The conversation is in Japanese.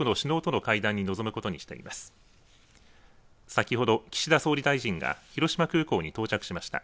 先ほど、岸田総理大臣が広島空港に到着しました。